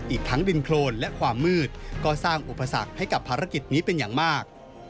อีกทั้งดินโครนและความมืดก็สร้างอุปสรรคให้กับภารกิจนี้เป็นอย่างมาก